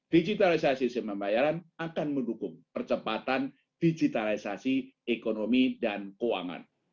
digitalisasi sistem pembayaran akan mendukung percepatan digitalisasi ekonomi dan keuangan